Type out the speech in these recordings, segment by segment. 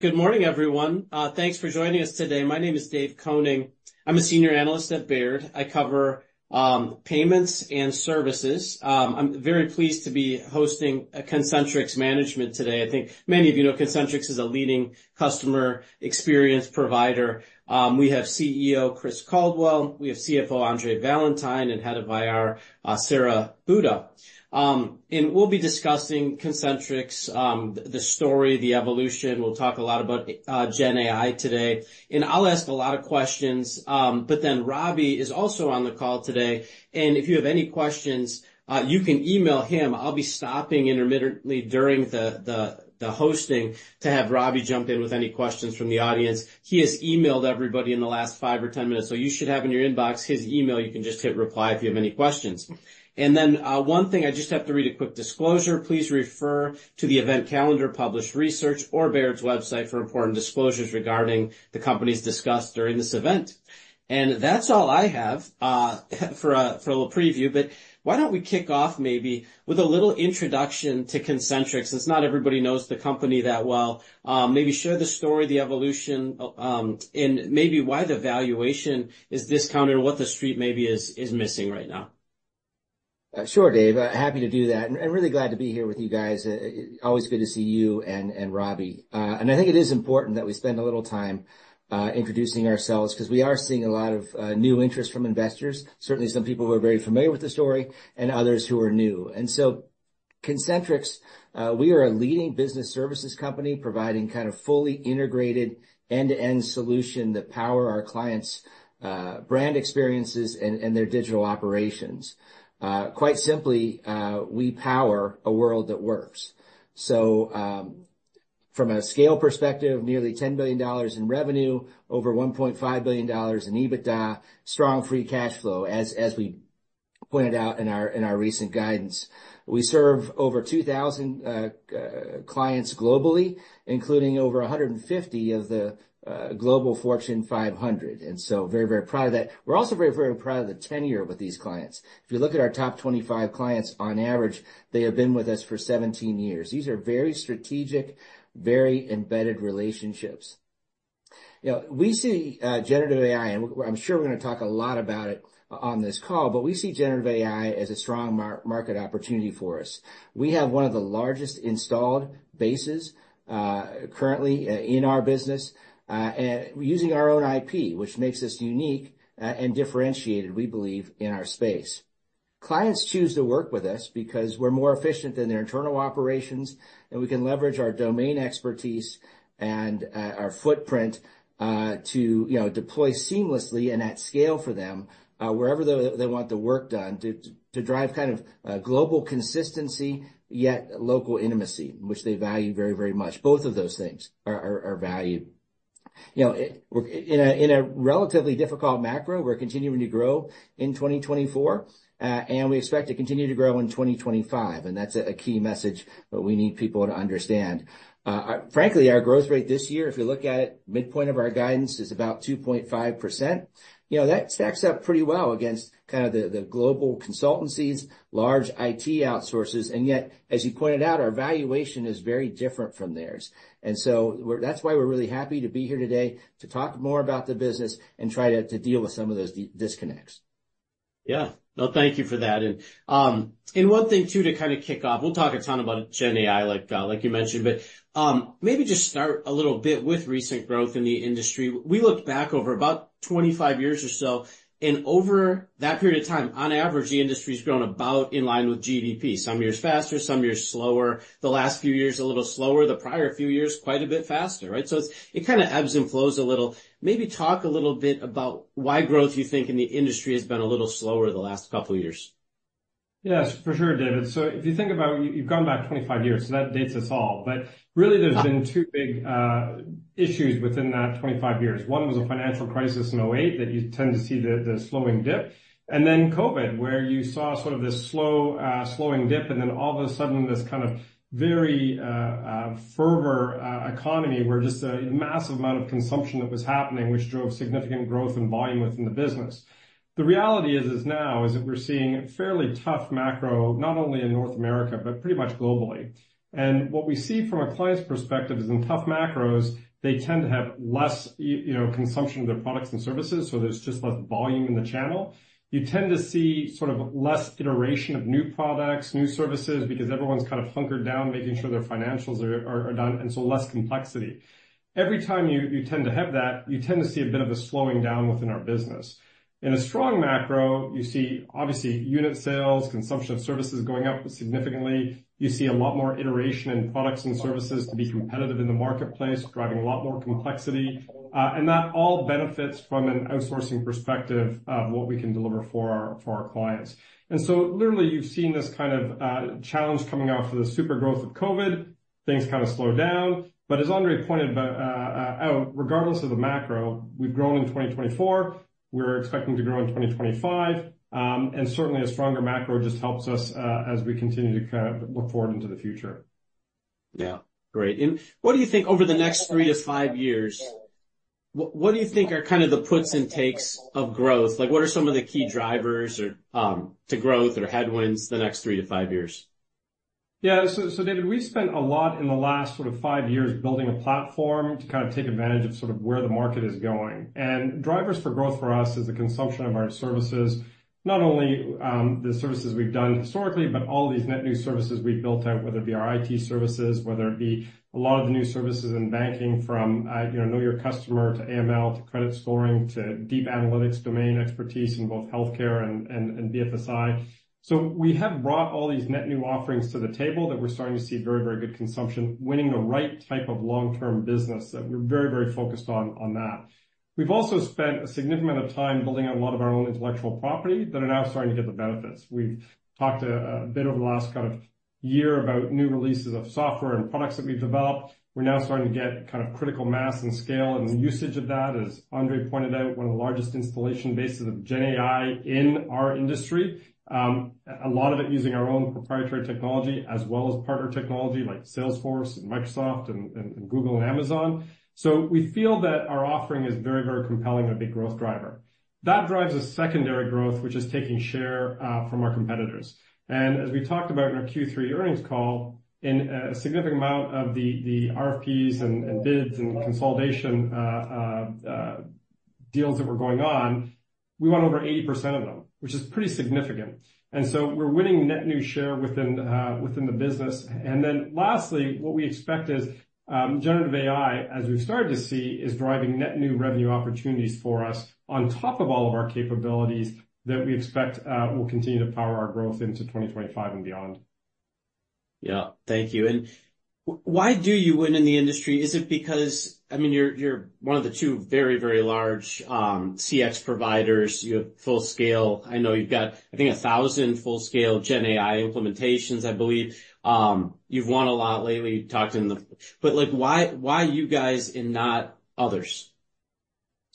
Good morning, everyone. Thanks for joining us today. My name is Dave Koning. I'm a senior analyst at Baird. I cover payments and services. I'm very pleased to be hosting Concentrix Management today. I think many of you know Concentrix is a leading customer experience provider. We have CEO Chris Caldwell, we have CFO Andre Valentine, and head of IR Sara Buda, and we'll be discussing Concentrix, the story, the evolution. We'll talk a lot about Gen AI today and I'll ask a lot of questions, but then Robbie is also on the call today and if you have any questions, you can email him. I'll be stopping intermittently during the hosting to have Robbie jump in with any questions from the audience. He has emailed everybody in the last five or ten minutes. So you should have in your inbox his email. You can just hit reply if you have any questions. And then one thing, I just have to read a quick disclosure. Please refer to the event calendar, published research, or Baird's website for important disclosures regarding the companies discussed during this event. And that's all I have for a little preview. But why don't we kick off maybe with a little introduction to Concentrix? It's not everybody knows the company that well. Maybe share the story, the evolution, and maybe why the valuation is discounted or what the Street maybe is missing right now. Sure, Dave. Happy to do that. And really glad to be here with you guys. Always good to see you and Robbie. And I think it is important that we spend a little time introducing ourselves because we are seeing a lot of new interest from investors. Certainly some people who are very familiar with the story and others who are new. And so Concentrix, we are a leading business services company providing kind of fully integrated end-to-end solutions that power our clients' brand experiences and their digital operations. Quite simply, we power a world that works. So from a scale perspective, nearly $10 billion in revenue, over $1.5 billion in EBITDA, strong free cash flow, as we pointed out in our recent guidance. We serve over 2,000 clients globally, including over 150 of the global Fortune 500. And so very, very proud of that. We're also very, very proud of the tenure with these clients. If you look at our top 25 clients, on average, they have been with us for 17 years. These are very strategic, very embedded relationships. We see generative AI, and I'm sure we're going to talk a lot about it on this call, but we see generative AI as a strong market opportunity for us. We have one of the largest installed bases currently in our business and using our own IP, which makes us unique and differentiated, we believe, in our space. Clients choose to work with us because we're more efficient than their internal operations, and we can leverage our domain expertise and our footprint to deploy seamlessly and at scale for them wherever they want the work done to drive kind of global consistency yet local intimacy, which they value very, very much. Both of those things are valued. In a relatively difficult macro, we're continuing to grow in 2024, and we expect to continue to grow in 2025. And that's a key message that we need people to understand. Frankly, our growth rate this year, if you look at it, midpoint of our guidance is about 2.5%. That stacks up pretty well against kind of the global consultancies, large IT outsourcers. And yet, as you pointed out, our valuation is very different from theirs. And so that's why we're really happy to be here today to talk more about the business and try to deal with some of those disconnects. Yeah. No, thank you for that. And one thing too to kind of kick off, we'll talk a ton about Gen AI, like you mentioned, but maybe just start a little bit with recent growth in the industry. We looked back over about 25 years or so. And over that period of time, on average, the industry has grown about in line with GDP. Some years faster, some years slower. The last few years a little slower. The prior few years quite a bit faster, right? So it kind of ebbs and flows a little. Maybe talk a little bit about why growth, you think, in the industry has been a little slower the last couple of years. Yes, for sure, David. So if you think about, you've gone back 25 years, so that dates us all. But really, there's been two big issues within that 25 years. One was a financial crisis in 2008 that you tend to see the slowing dip, and then COVID, where you saw sort of this slowing dip, and then all of a sudden, this kind of very fervor economy where just a massive amount of consumption that was happening, which drove significant growth and volume within the business. The reality is now is that we're seeing fairly tough macro, not only in North America, but pretty much globally, and what we see from a client's perspective is in tough macros, they tend to have less consumption of their products and services, so there's just less volume in the channel. You tend to see sort of less iteration of new products, new services, because everyone's kind of hunkered down making sure their financials are done, and so less complexity. Every time you tend to have that, you tend to see a bit of a slowing down within our business. In a strong macro, you see obviously unit sales, consumption of services going up significantly. You see a lot more iteration in products and services to be competitive in the marketplace, driving a lot more complexity. And that all benefits from an outsourcing perspective of what we can deliver for our clients. And so literally, you've seen this kind of challenge coming out for the super growth of COVID. Things kind of slowed down. But as Andre pointed out, regardless of the macro, we've grown in 2024. We're expecting to grow in 2025. And certainly, a stronger macro just helps us as we continue to kind of look forward into the future. Yeah. Great. And what do you think over the next three to five years, what do you think are kind of the puts and takes of growth? What are some of the key drivers to growth or headwinds the next three to five years? Yeah. So David, we spent a lot in the last sort of five years building a platform to kind of take advantage of sort of where the market is going. And drivers for growth for us is the consumption of our services, not only the services we've done historically, but all of these net new services we've built out, whether it be our IT services, whether it be a lot of the new services in banking from Know Your Customer to AML to credit scoring to deep analytics domain expertise in both healthcare and BFSI. So we have brought all these net new offerings to the table that we're starting to see very, very good consumption winning the right type of long-term business that we're very, very focused on that. We've also spent a significant amount of time building on a lot of our own intellectual property that are now starting to get the benefits. We've talked a bit over the last kind of year about new releases of software and products that we've developed. We're now starting to get kind of critical mass and scale and usage of that, as Andre pointed out, one of the largest installation bases of Gen AI in our industry, a lot of it using our own proprietary technology as well as partner technology like Salesforce and Microsoft and Google and Amazon. So we feel that our offering is very, very compelling and a big growth driver. That drives a secondary growth, which is taking share from our competitors. And as we talked about in our Q3 earnings call, a significant amount of the RFPs and bids and consolidation deals that were going on, we won over 80% of them, which is pretty significant. And so we're winning net new share within the business. And then lastly, what we expect is generative AI, as we've started to see, is driving net new revenue opportunities for us on top of all of our capabilities that we expect will continue to power our growth into 2025 and beyond. Yeah. Thank you. And why do you win in the industry? Is it because, I mean, you're one of the two very, very large CX providers? You have full scale. I know you've got, I think, 1,000 full-scale Gen AI implementations, I believe. You've won a lot lately. You talked in the. But why you guys and not others?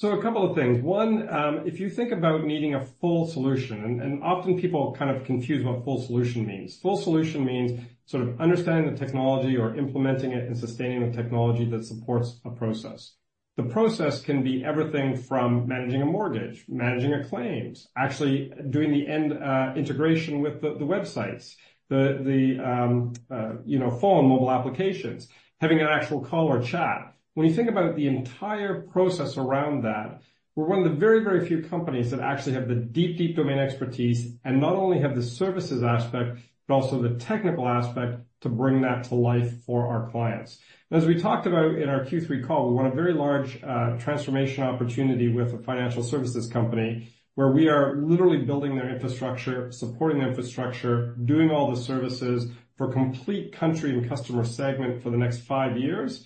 A couple of things. One, if you think about needing a full solution, and often people kind of confuse what full solution means. Full solution means sort of understanding the technology or implementing it and sustaining the technology that supports a process. The process can be everything from managing a mortgage, managing a claim, actually doing the end integration with the websites, the phone, mobile applications, having an actual call or chat. When you think about the entire process around that, we're one of the very, very few companies that actually have the deep, deep domain expertise and not only have the services aspect, but also the technical aspect to bring that to life for our clients. As we talked about in our Q3 call, we won a very large transformation opportunity with a financial services company where we are literally building their infrastructure, supporting the infrastructure, doing all the services for complete country and customer segment for the next five years.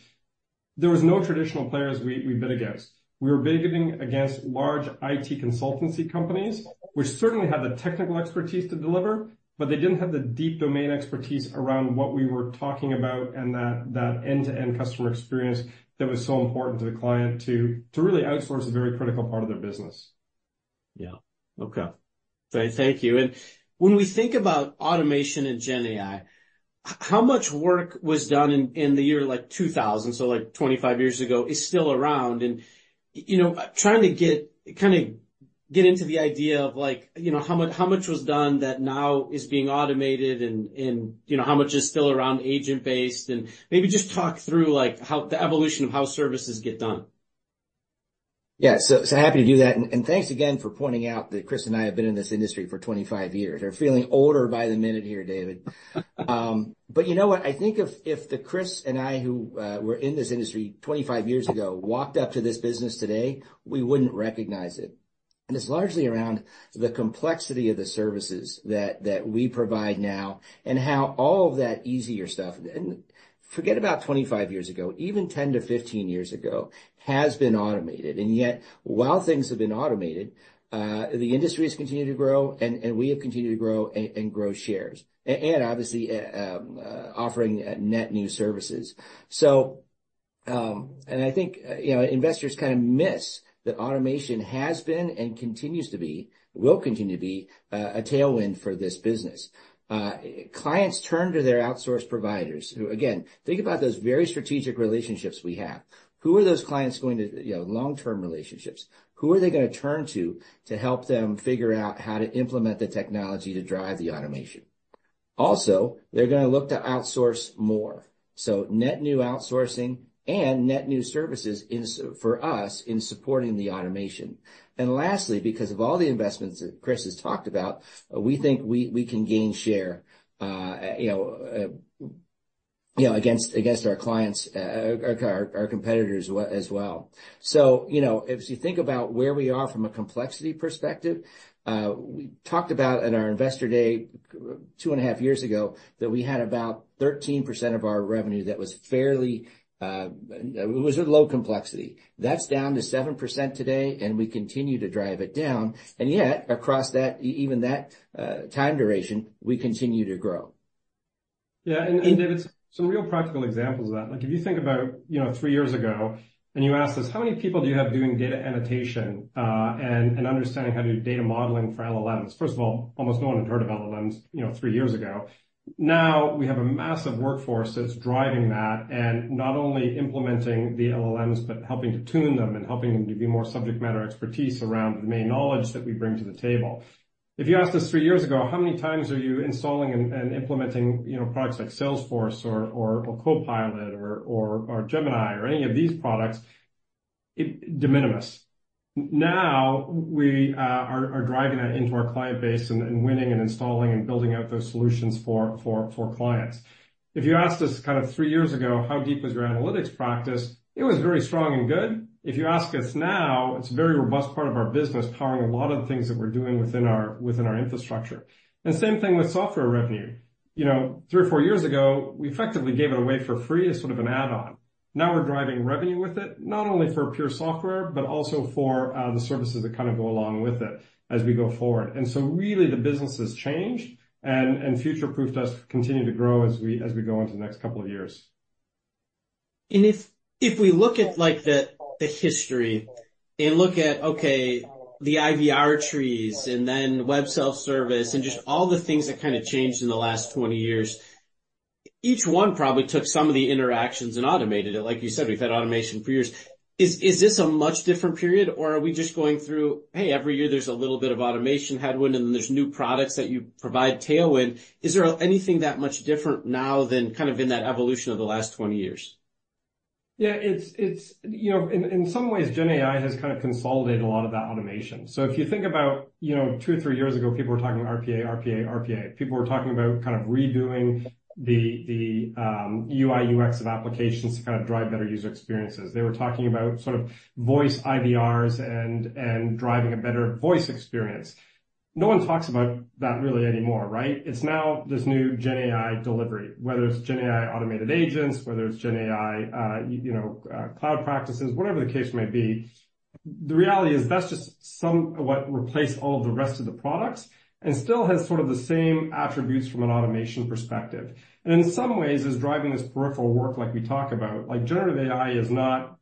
There were no traditional players we bid against. We were bidding against large IT consultancy companies, which certainly had the technical expertise to deliver, but they didn't have the deep domain expertise around what we were talking about and that end-to-end customer experience that was so important to the client to really outsource a very critical part of their business. Yeah. Okay. Thank you. And when we think about automation and Gen AI, how much work was done in the year like 2000, so like 25 years ago, is still around? And trying to kind of get into the idea of how much was done that now is being automated and how much is still around agent-based? And maybe just talk through the evolution of how services get done. Yeah. So, happy to do that. And thanks again for pointing out that Chris and I have been in this industry for 25 years. We're feeling older by the minute here, David. But you know what? I think if the Chris and I who were in this industry 25 years ago walked up to this business today, we wouldn't recognize it. And it's largely around the complexity of the services that we provide now and how all of that easier stuff. And forget about 25 years ago. Even 10-15 years ago has been automated. And yet, while things have been automated, the industry has continued to grow, and we have continued to grow and grow shares, and obviously offering net new services. And I think investors kind of miss that automation has been and continues to be, will continue to be a tailwind for this business. Clients turn to their outsourced providers. Again, think about those very strategic relationships we have. Who are those clients going to, long-term relationships? Who are they going to turn to to help them figure out how to implement the technology to drive the automation? Also, they're going to look to outsource more. So net new outsourcing and net new services for us in supporting the automation. And lastly, because of all the investments that Chris has talked about, we think we can gain share against our clients, our competitors as well. So if you think about where we are from a complexity perspective, we talked about at our investor day two and a half years ago that we had about 13% of our revenue that was fairly low complexity. That's down to 7% today, and we continue to drive it down. Yet, across that, even that time duration, we continue to grow. Yeah. And David, some real practical examples of that. If you think about three years ago and you asked us, how many people do you have doing data annotation and understanding how to do data modeling for LLMs? First of all, almost no one had heard of LLMs three years ago. Now we have a massive workforce that's driving that and not only implementing the LLMs, but helping to tune them and helping them to be more subject matter expertise around the main knowledge that we bring to the table. If you asked us three years ago, how many times are you installing and implementing products like Salesforce or Copilot or Gemini or any of these products? De minimis. Now we are driving that into our client base and winning and installing and building out those solutions for clients. If you asked us kind of three years ago, how deep was your analytics practice? It was very strong and good. If you ask us now, it's a very robust part of our business powering a lot of the things that we're doing within our infrastructure, and same thing with software revenue. Three or four years ago, we effectively gave it away for free as sort of an add-on. Now we're driving revenue with it, not only for pure software, but also for the services that kind of go along with it as we go forward, and so really, the business has changed and future-proofed us to continue to grow as we go into the next couple of years. If we look at the history and look at, okay, the IVR trees and then web self-service and just all the things that kind of changed in the last 20 years, each one probably took some of the interactions and automated it. Like you said, we've had automation for years. Is this a much different period, or are we just going through, hey, every year there's a little bit of automation headwind, and then there's new products that you provide tailwind? Is there anything that much different now than kind of in that evolution of the last 20 years? Yeah. In some ways, Gen AI has kind of consolidated a lot of that automation. So if you think about two or three years ago, people were talking RPA, RPA, RPA. People were talking about kind of redoing the UI, UX of applications to kind of drive better user experiences. They were talking about sort of voice IVRs and driving a better voice experience. No one talks about that really anymore, right? It's now this new Gen AI delivery, whether it's Gen AI automated agents, whether it's Gen AI cloud practices, whatever the case may be. The reality is that's just somewhat replaced all of the rest of the products and still has sort of the same attributes from an automation perspective. And in some ways, it's driving this peripheral work like we talk about. Generative AI is not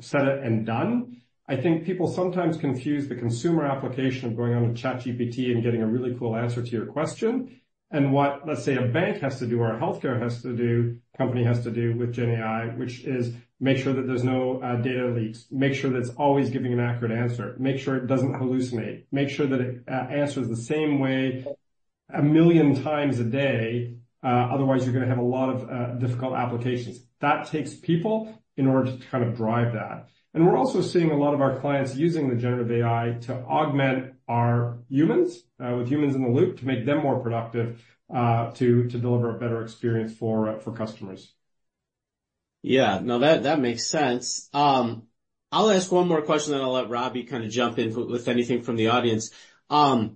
set it and done. I think people sometimes confuse the consumer application of going on to ChatGPT and getting a really cool answer to your question and what, let's say, a bank has to do or a healthcare company has to do with Gen AI, which is make sure that there's no data leaks, make sure that it's always giving an accurate answer, make sure it doesn't hallucinate, make sure that it answers the same way a million times a day. Otherwise, you're going to have a lot of difficult applications. That takes people in order to kind of drive that. And we're also seeing a lot of our clients using the generative AI to augment our humans with humans in the loop to make them more productive to deliver a better experience for customers. Yeah. No, that makes sense. I'll ask one more question, then I'll let Robbie kind of jump in with anything from the audience. Our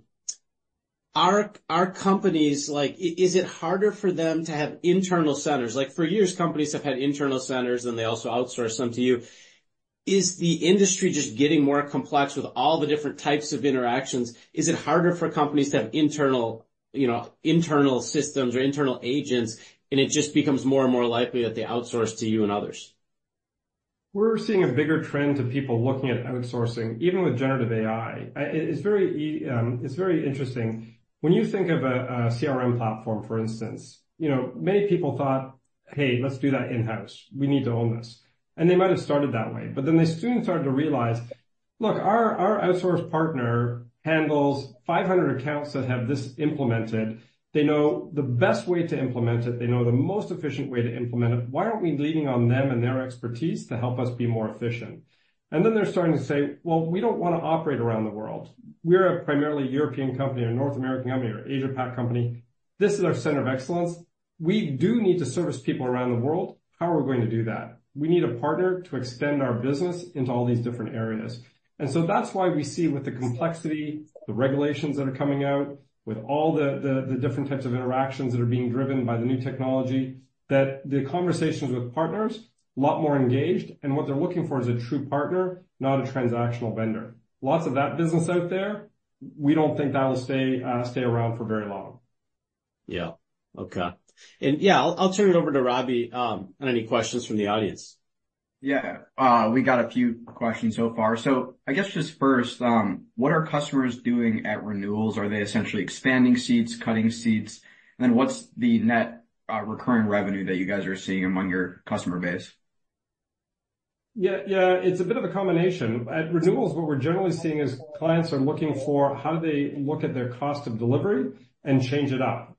companies, is it harder for them to have internal centers? For years, companies have had internal centers, and they also outsource them to you. Is the industry just getting more complex with all the different types of interactions? Is it harder for companies to have internal systems or internal agents, and it just becomes more and more likely that they outsource to you and others? We're seeing a bigger trend to people looking at outsourcing, even with generative AI. It's very interesting. When you think of a CRM platform, for instance, many people thought, "Hey, let's do that in-house. We need to own this." And they might have started that way. But then they soon started to realize, "Look, our outsourced partner handles 500 accounts that have this implemented. They know the best way to implement it. They know the most efficient way to implement it. Why aren't we leaning on them and their expertise to help us be more efficient?" And then they're starting to say, "Well, we don't want to operate around the world. We're a primarily European company or North American company or Asia-Pac company. This is our center of excellence. We do need to service people around the world. How are we going to do that? We need a partner to extend our business into all these different areas," and so that's why we see with the complexity, the regulations that are coming out, with all the different types of interactions that are being driven by the new technology, that the conversations with partners are a lot more engaged, and what they're looking for is a true partner, not a transactional vendor. Lots of that business out there, we don't think that will stay around for very long. Yeah. Okay. And yeah, I'll turn it over to Robbie on any questions from the audience. Yeah. We got a few questions so far. So I guess just first, what are customers doing at renewals? Are they essentially expanding seats, cutting seats? And then what's the net recurring revenue that you guys are seeing among your customer base? Yeah. Yeah. It's a bit of a combination. At Renewals, what we're generally seeing is clients are looking for how do they look at their cost of delivery and change it up.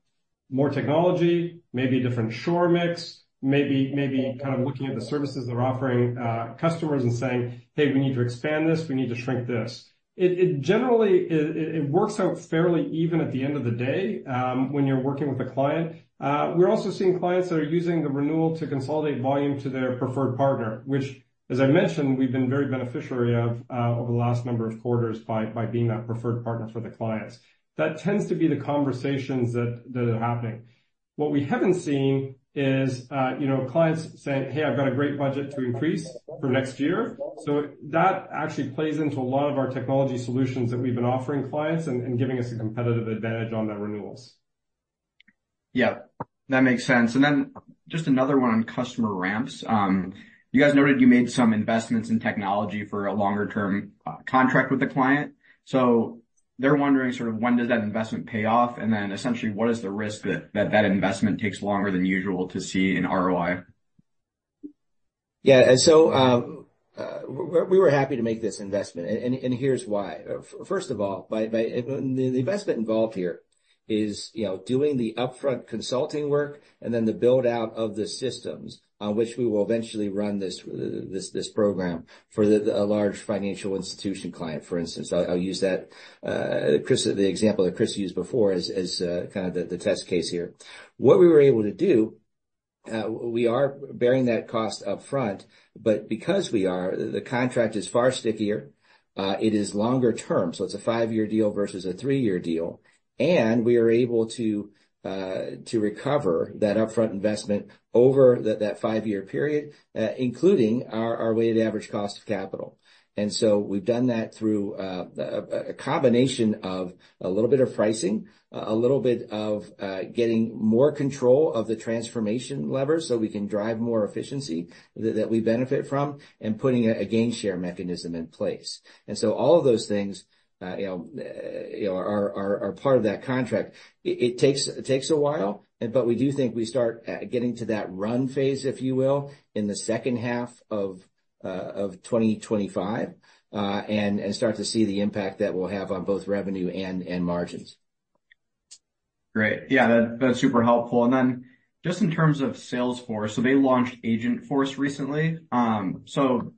More technology, maybe a different shore mix, maybe kind of looking at the services they're offering customers and saying, "Hey, we need to expand this. We need to shrink this." It generally works out fairly even at the end of the day when you're working with a client. We're also seeing clients that are using the Renewal to consolidate volume to their preferred partner, which, as I mentioned, we've been very beneficiaries of over the last number of quarters by being that preferred partner for the clients. That tends to be the conversations that are happening. What we haven't seen is clients saying, "Hey, I've got a great budget to increase for next year." So that actually plays into a lot of our technology solutions that we've been offering clients and giving us a competitive advantage on their renewals. Yeah. That makes sense. And then just another one on customer ramps. You guys noted you made some investments in technology for a longer-term contract with the client. So they're wondering sort of when does that investment pay off? And then essentially, what is the risk that that investment takes longer than usual to see in ROI? Yeah. So we were happy to make this investment. And here's why. First of all, the investment involved here is doing the upfront consulting work and then the build-out of the systems on which we will eventually run this program for a large financial institution client, for instance. I'll use the example that Chris used before as kind of the test case here. What we were able to do, we are bearing that cost upfront, but because we are, the contract is far stickier. It is longer-term. So it's a five-year deal versus a three-year deal. And we are able to recover that upfront investment over that five-year period, including our weighted average cost of capital. And so we've done that through a combination of a little bit of pricing, a little bit of getting more control of the transformation lever so we can drive more efficiency that we benefit from, and putting a gain share mechanism in place. And so all of those things are part of that contract. It takes a while, but we do think we start getting to that run phase, if you will, in the second half of 2025 and start to see the impact that we'll have on both revenue and margins. Great. Yeah. That's super helpful. And then just in terms of Salesforce, so they launched Agentforce recently. So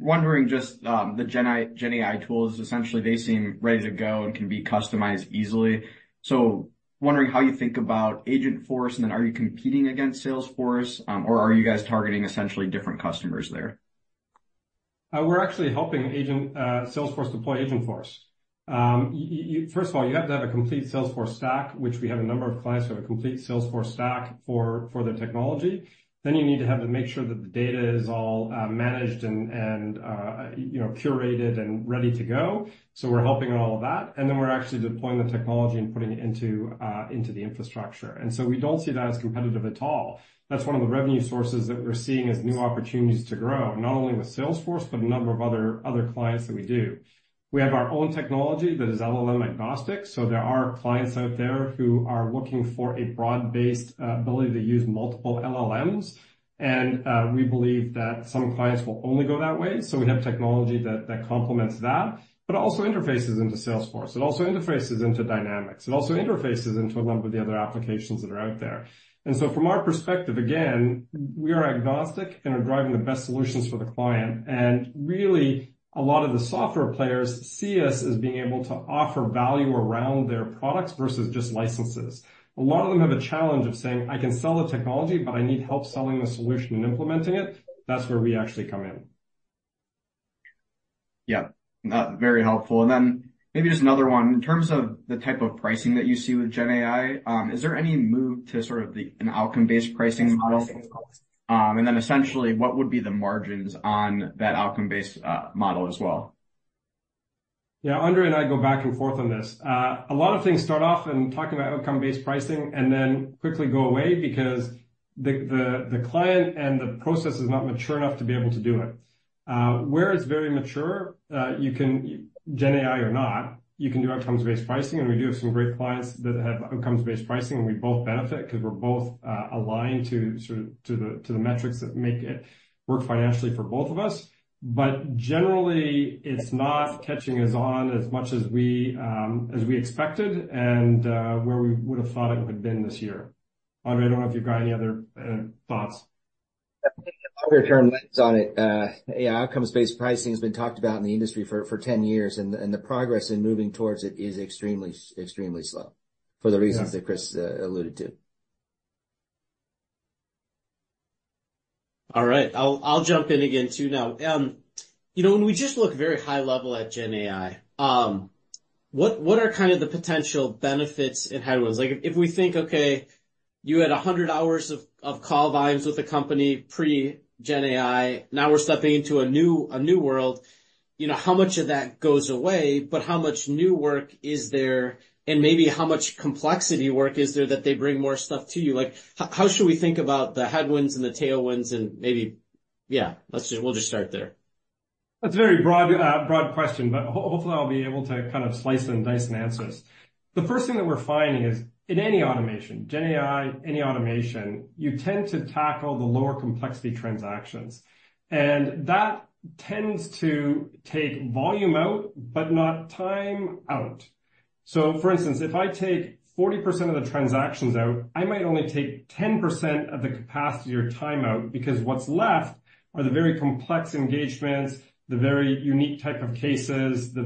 wondering just the Gen AI tools, essentially, they seem ready to go and can be customized easily. So wondering how you think about Agentforce, and then are you competing against Salesforce, or are you guys targeting essentially different customers there? We're actually helping Salesforce deploy Agentforce. First of all, you have to have a complete Salesforce stack, which we have a number of clients who have a complete Salesforce stack for the technology. Then you need to make sure that the data is all managed and curated and ready to go, so we're helping on all of that, and then we're actually deploying the technology and putting it into the infrastructure, and so we don't see that as competitive at all. That's one of the revenue sources that we're seeing as new opportunities to grow, not only with Salesforce, but a number of other clients that we do. We have our own technology that is LLM agnostic, so there are clients out there who are looking for a broad-based ability to use multiple LLMs, and we believe that some clients will only go that way. So we have technology that complements that, but also interfaces into Salesforce. It also interfaces into Dynamics. It also interfaces into a number of the other applications that are out there. And so from our perspective, again, we are agnostic and are driving the best solutions for the client. And really, a lot of the software players see us as being able to offer value around their products versus just licenses. A lot of them have a challenge of saying, "I can sell the technology, but I need help selling the solution and implementing it." That's where we actually come in. Yeah. Very helpful. And then maybe just another one. In terms of the type of pricing that you see with Gen AI, is there any move to sort of an outcome-based pricing model? And then essentially, what would be the margins on that outcome-based model as well? Yeah. Andre and I go back and forth on this. A lot of things start off in talking about outcome-based pricing and then quickly go away because the client and the process is not mature enough to be able to do it. Where it's very mature, Gen AI or not, you can do outcomes-based pricing, and we do have some great clients that have outcomes-based pricing, and we both benefit because we're both aligned to the metrics that make it work financially for both of us, but generally, it's not catching us on as much as we expected and where we would have thought it would have been this year. Andre, I don't know if you've got any other thoughts. I'll get a turn on it. Yeah. Outcomes-based pricing has been talked about in the industry for 10 years, and the progress in moving towards it is extremely slow for the reasons that Chris alluded to. All right. I'll jump in again too now. When we just look very high level at Gen AI, what are kind of the potential benefits and headwinds? If we think, okay, you had 100 hours of call volumes with a company pre-Gen AI, now we're stepping into a new world, how much of that goes away, but how much new work is there, and maybe how much complexity work is there that they bring more stuff to you? How should we think about the headwinds and the tailwinds and maybe, yeah, we'll just start there? That's a very broad question, but hopefully, I'll be able to kind of slice and dice and answers. The first thing that we're finding is in any automation, Gen AI, any automation, you tend to tackle the lower complexity transactions, and that tends to take volume out, but not time out, so for instance, if I take 40% of the transactions out, I might only take 10% of the capacity or time out because what's left are the very complex engagements, the very unique type of cases, a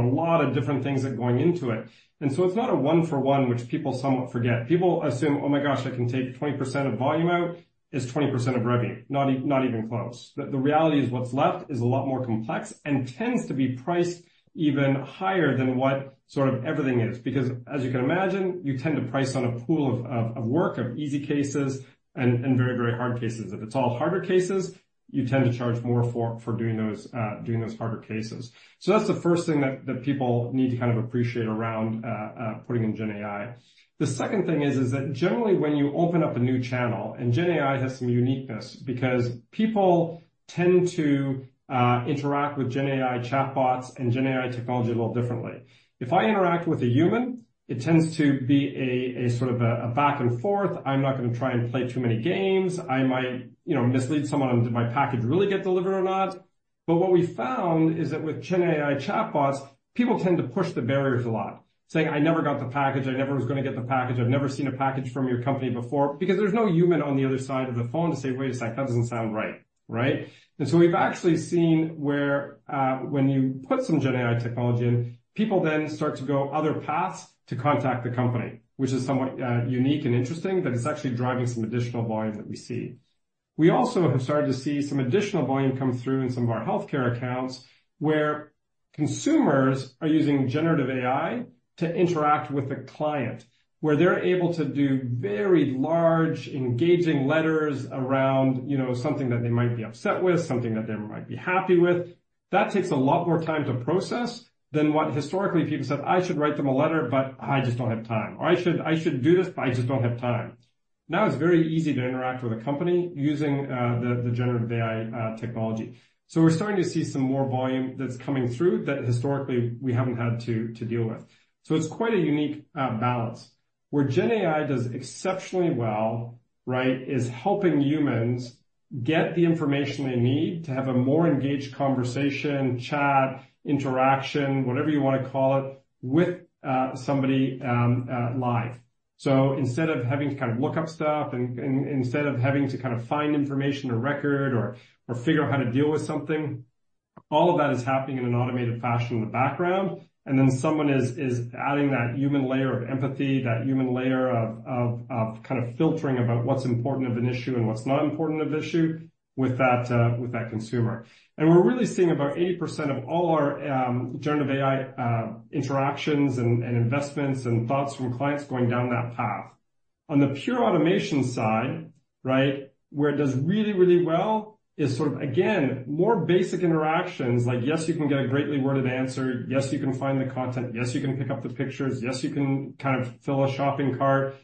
lot of different things that are going into it, and so it's not a one-for-one, which people somewhat forget. People assume, "Oh my gosh, I can take 20% of volume out," is 20% of revenue. Not even close. The reality is what's left is a lot more complex and tends to be priced even higher than what sort of everything is. Because as you can imagine, you tend to price on a pool of work, of easy cases and very, very hard cases. If it's all harder cases, you tend to charge more for doing those harder cases. So that's the first thing that people need to kind of appreciate around putting in Gen AI. The second thing is that generally when you open up a new channel, and Gen AI has some uniqueness because people tend to interact with Gen AI chatbots and Gen AI technology a little differently. If I interact with a human, it tends to be a sort of a back and forth. I'm not going to try and play too many games. I might mislead someone on, "Did my package really get delivered or not?" But what we found is that with Gen AI chatbots, people tend to push the barriers a lot, saying, "I never got the package. I never was going to get the package. I've never seen a package from your company before." Because there's no human on the other side of the phone to say, "Wait a second. That doesn't sound right." Right? And so we've actually seen where when you put some Gen AI technology in, people then start to go other paths to contact the company, which is somewhat unique and interesting that it's actually driving some additional volume that we see. We also have started to see some additional volume come through in some of our healthcare accounts where consumers are using generative AI to interact with the client, where they're able to do very large, engaging letters around something that they might be upset with, something that they might be happy with. That takes a lot more time to process than what historically people said, "I should write them a letter, but I just don't have time." Or, "I should do this, but I just don't have time." Now it's very easy to interact with a company using the generative AI technology. So we're starting to see some more volume that's coming through that historically we haven't had to deal with. So it's quite a unique balance where Gen AI does exceptionally well, right, is helping humans get the information they need to have a more engaged conversation, chat, interaction, whatever you want to call it, with somebody live. So instead of having to kind of look up stuff and instead of having to kind of find information or record or figure out how to deal with something, all of that is happening in an automated fashion in the background. And then someone is adding that human layer of empathy, that human layer of kind of filtering about what's important of an issue and what's not important of an issue with that consumer. And we're really seeing about 80% of all our generative AI interactions and investments and thoughts from clients going down that path. On the pure automation side, right, where it does really, really well is sort of, again, more basic interactions like, "Yes, you can get a greatly worded answer. Yes, you can find the content. Yes, you can pick up the pictures. Yes, you can kind of fill a shopping cart."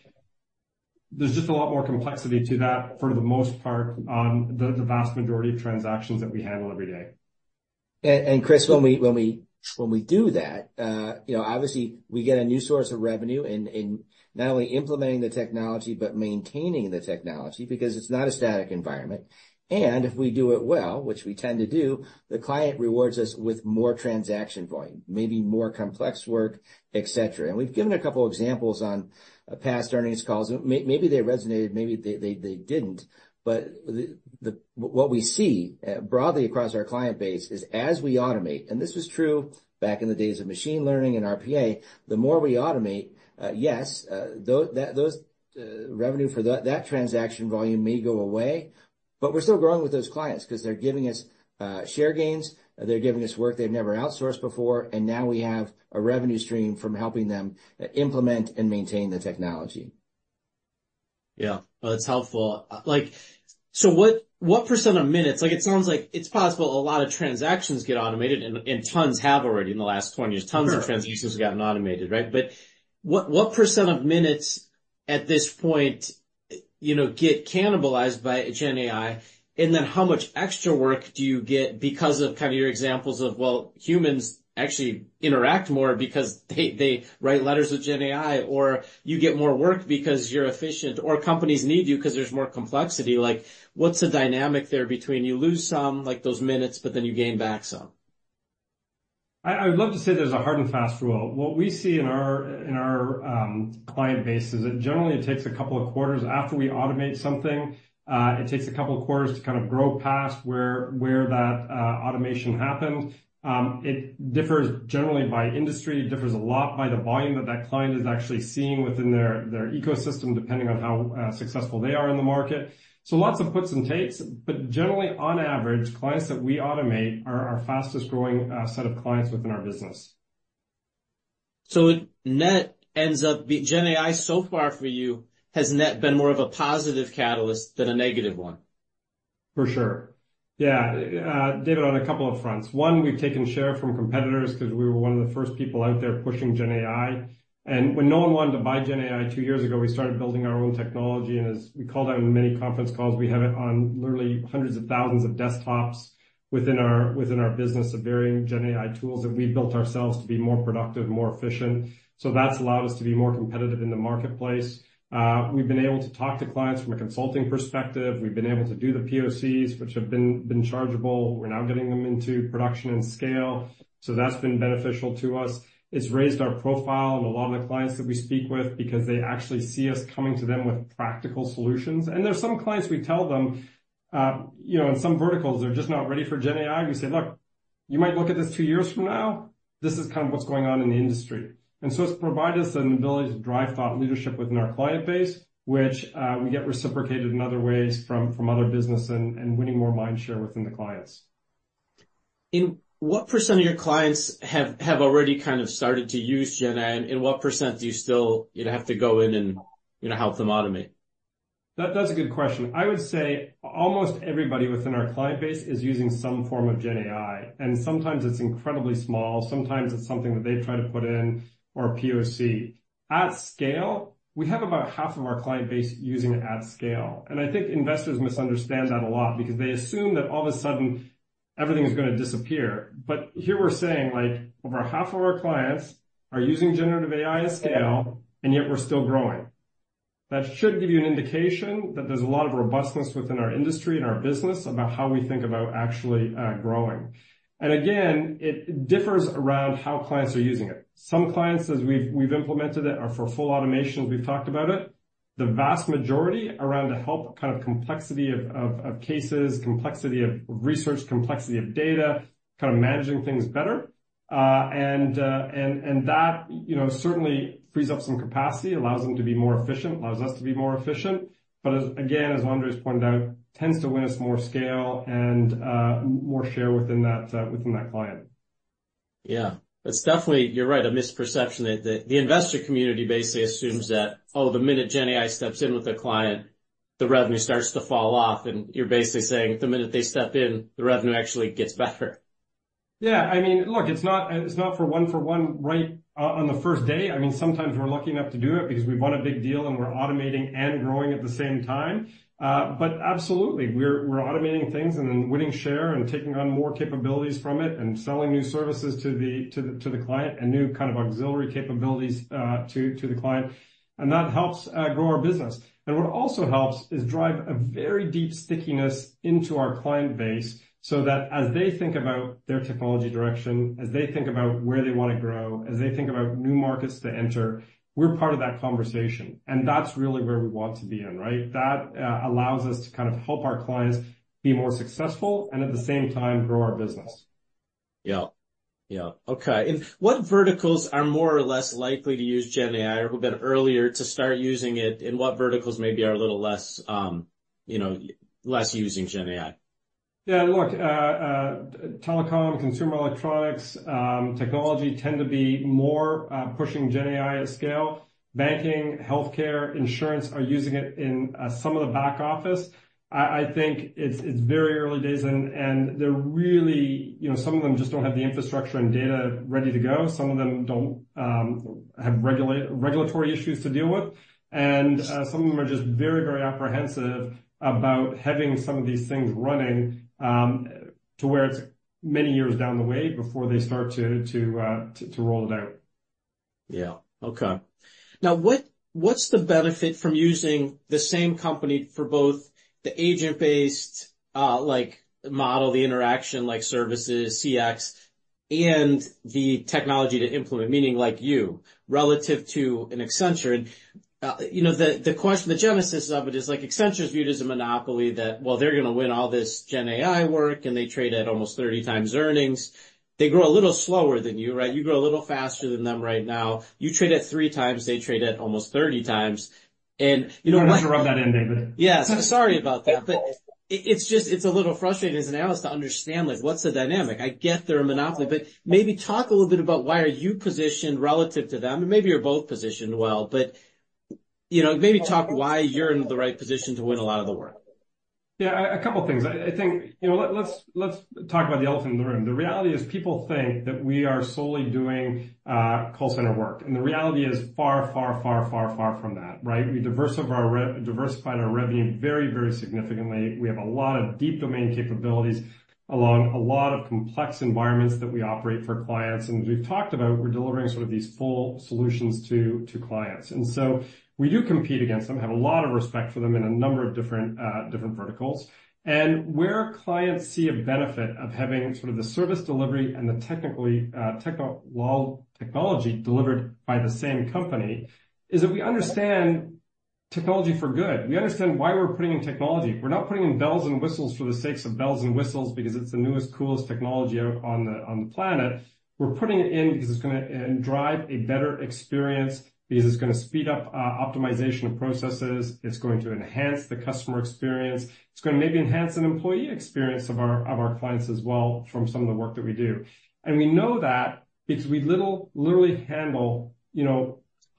There's just a lot more complexity to that for the most part on the vast majority of transactions that we handle every day. And Chris, when we do that, obviously, we get a new source of revenue in not only implementing the technology, but maintaining the technology because it's not a static environment. And if we do it well, which we tend to do, the client rewards us with more transaction volume, maybe more complex work, etc. And we've given a couple of examples on past earnings calls. Maybe they resonated. Maybe they didn't. But what we see broadly across our client base is as we automate, and this was true back in the days of machine learning and RPA, the more we automate, yes, those revenue for that transaction volume may go away, but we're still growing with those clients because they're giving us share gains. They're giving us work they've never outsourced before. And now we have a revenue stream from helping them implement and maintain the technology. Yeah. That's helpful. So what percent of minutes? It sounds like it's possible a lot of transactions get automated, and tons have already in the last 20 years. Tons of transactions gotten automated, right? But what percent of minutes at this point get cannibalized by Gen AI? And then how much extra work do you get because of kind of your examples of, well, humans actually interact more because they write letters with Gen AI, or you get more work because you're efficient, or companies need you because there's more complexity? What's the dynamic there between you lose some like those minutes, but then you gain back some? I would love to say there's a hard and fast rule. What we see in our client base is that generally it takes a couple of quarters after we automate something. It takes a couple of quarters to kind of grow past where that automation happened. It differs generally by industry. It differs a lot by the volume that that client is actually seeing within their ecosystem depending on how successful they are in the market. So lots of puts and takes. But generally, on average, clients that we automate are our fastest-growing set of clients within our business. So Gen AI so far for you, has not been more of a positive catalyst than a negative one? For sure. Yeah. David, on a couple of fronts. One, we've taken share from competitors because we were one of the first people out there pushing Gen AI. And when no one wanted to buy Gen AI two years ago, we started building our own technology. And as we called out in many conference calls, we have it on literally hundreds of thousands of desktops within our business of varying Gen AI tools that we've built ourselves to be more productive, more efficient. So that's allowed us to be more competitive in the marketplace. We've been able to talk to clients from a consulting perspective. We've been able to do the POCs, which have been chargeable. We're now getting them into production and scale. So that's been beneficial to us. It's raised our profile and a lot of the clients that we speak with because they actually see us coming to them with practical solutions. And there's some clients we tell them in some verticals, they're just not ready for Gen AI. We say, "Look, you might look at this two years from now. This is kind of what's going on in the industry." And so it's provided us an ability to drive thought leadership within our client base, which we get reciprocated in other ways from other business and winning more mind share within the clients. And what percent of your clients have already kind of started to use Gen AI? And what percent do you still have to go in and help them automate? That's a good question. I would say almost everybody within our client base is using some form of Gen AI. And sometimes it's incredibly small. Sometimes it's something that they try to put in or a POC. At scale, we have about half of our client base using it at scale. And I think investors misunderstand that a lot because they assume that all of a sudden, everything is going to disappear. But here we're saying over half of our clients are using generative AI at scale, and yet we're still growing. That should give you an indication that there's a lot of robustness within our industry and our business about how we think about actually growing. And again, it differs around how clients are using it. Some clients, as we've implemented it, are for full automation. We've talked about it. The vast majority around to help kind of complexity of cases, complexity of research, complexity of data, kind of managing things better. And that certainly frees up some capacity, allows them to be more efficient, allows us to be more efficient. But again, as Andre has pointed out, tends to win us more scale and more share within that client. Yeah. It's definitely, you're right, a misperception that the investor community basically assumes that, "Oh, the minute Gen AI steps in with a client, the revenue starts to fall off." And you're basically saying the minute they step in, the revenue actually gets better. Yeah. I mean, look, it's not for one-for-one right on the first day. I mean, sometimes we're lucky enough to do it because we've won a big deal and we're automating and growing at the same time. But absolutely, we're automating things and then winning share and taking on more capabilities from it and selling new services to the client and new kind of auxiliary capabilities to the client. And that helps grow our business. And what also helps is drive a very deep stickiness into our client base so that as they think about their technology direction, as they think about where they want to grow, as they think about new markets to enter, we're part of that conversation. And that's really where we want to be in, right? That allows us to kind of help our clients be more successful and at the same time grow our business. Yeah. Yeah. Okay. And what verticals are more or less likely to use Gen AI or who've been earlier to start using it? And what verticals maybe are a little less using Gen AI? Yeah. Look, telecom, consumer electronics, technology tend to be more pushing Gen AI at scale. Banking, healthcare, insurance are using it in some of the back office. I think it's very early days. And there really are some of them just don't have the infrastructure and data ready to go. Some of them do have regulatory issues to deal with. And some of them are just very, very apprehensive about having some of these things running to where it's many years down the road before they start to roll it out. Yeah. Okay. Now, what's the benefit from using the same company for both the agent-based model, the interaction services, CX, and the technology to implement, meaning like you, relative to an Accenture? And the genesis of it is Accenture is viewed as a monopoly that, well, they're going to win all this Gen AI work, and they trade at almost 30 times earnings. They grow a little slower than you, right? You grow a little faster than them right now. You trade at three times. They trade at almost 30 times. And. I'll interrupt that in, David. Yeah. Sorry about that. But it's a little frustrating as an analyst to understand what's the dynamic. I get they're a monopoly, but maybe talk a little bit about why are you positioned relative to them? And maybe you're both positioned well, but maybe talk why you're in the right position to win a lot of the work. Yeah. A couple of things. I think let's talk about the elephant in the room. The reality is people think that we are solely doing call center work, and the reality is far, far, far, far, far from that, right? We've diversified our revenue very, very significantly. We have a lot of deep domain capabilities along a lot of complex environments that we operate for clients, and as we've talked about, we're delivering sort of these full solutions to clients. And so we do compete against them, have a lot of respect for them in a number of different verticals. And where clients see a benefit of having sort of the service delivery and the technology delivered by the same company is that we understand technology for good. We understand why we're putting in technology. We're not putting in bells and whistles for the sake of bells and whistles because it's the newest, coolest technology on the planet. We're putting it in because it's going to drive a better experience because it's going to speed up optimization of processes. It's going to enhance the customer experience. It's going to maybe enhance an employee experience of our clients as well from some of the work that we do. And we know that because we literally handle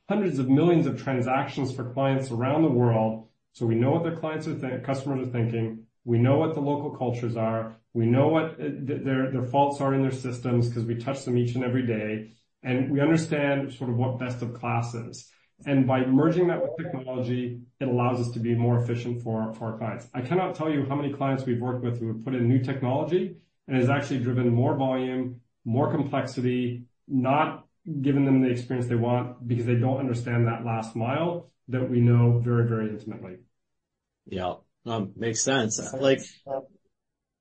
hundreds of millions of transactions for clients around the world. So we know what their customers are thinking. We know what the local cultures are. We know what their faults are in their systems because we touch them each and every day. And we understand sort of what best of class is. And by merging that with technology, it allows us to be more efficient for our clients. I cannot tell you how many clients we've worked with who have put in new technology, and it's actually driven more volume, more complexity, not giving them the experience they want because they don't understand that last mile that we know very, very intimately. Yeah. Makes sense.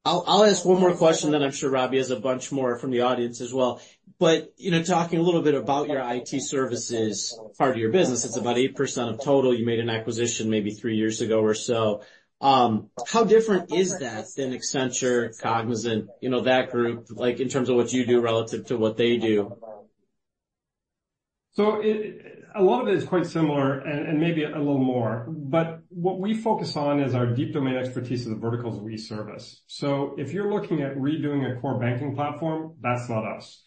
I'll ask one more question, then I'm sure Robbie has a bunch more from the audience as well. But talking a little bit about your IT services part of your business, it's about 8% of total. You made an acquisition maybe three years ago or so. How different is that than Accenture, Cognizant, that group in terms of what you do relative to what they do? A lot of it is quite similar and maybe a little more. What we focus on is our deep domain expertise of the verticals we service. If you're looking at redoing a core banking platform, that's not us.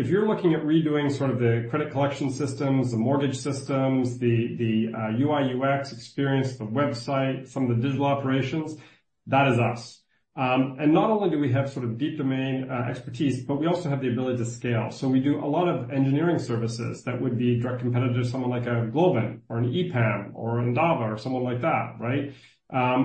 If you're looking at redoing sort of the credit collection systems, the mortgage systems, the UI/UX experience, the website, some of the digital operations, that is us. Not only do we have sort of deep domain expertise, but we also have the ability to scale. We do a lot of engineering services that would be direct competitors, someone like a Globant or an EPAM or an Endava or someone like that, right?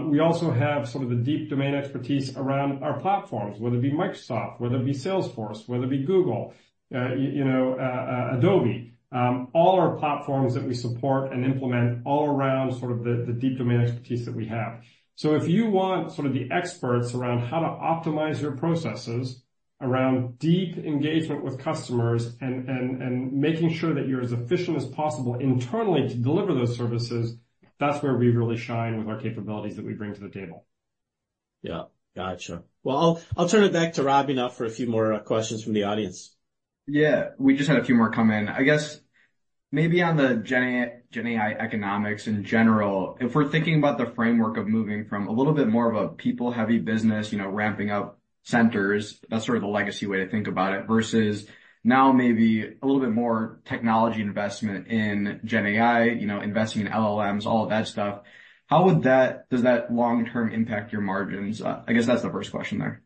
We also have sort of the deep domain expertise around our platforms, whether it be Microsoft, whether it be Salesforce, whether it be Google, Adobe, all our platforms that we support and implement all around sort of the deep domain expertise that we have. So if you want sort of the experts around how to optimize your processes around deep engagement with customers and making sure that you're as efficient as possible internally to deliver those services, that's where we really shine with our capabilities that we bring to the table. Yeah. Gotcha. Well, I'll turn it back to Robbie now for a few more questions from the audience. Yeah. We just had a few more come in. I guess maybe on the Gen AI economics in general, if we're thinking about the framework of moving from a little bit more of a people-heavy business, ramping up centers, that's sort of the legacy way to think about it, versus now maybe a little bit more technology investment in Gen AI, investing in LLMs, all of that stuff, how does that long-term impact your margins? I guess that's the first question there.